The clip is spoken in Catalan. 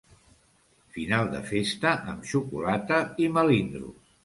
Final de festa amb xocolata i melindros.